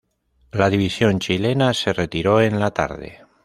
La división chilena se retiró en la tarde.